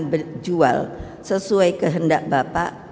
berjual sesuai kehendak bapak